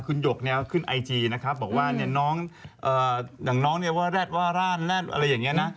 คุณหยกเนี่ยขึ้นไอจีนะครับบอกว่าเนี่ยน้องอย่างน้องเนี่ยว่าแรดว่าร่านแรดอะไรอย่างนี้นะ